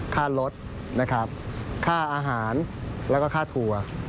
ค่ารถค่าอาหารแล้วก็ค่าทัวร์